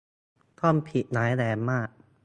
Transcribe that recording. ต้องผิดร้ายแรงมาก